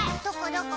どこ？